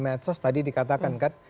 metos tadi dikatakan kan